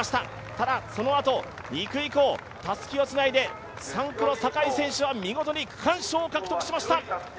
ただそのあと、２区以降たすきをつないで３区の酒井選手は見事に区間賞を獲得しました。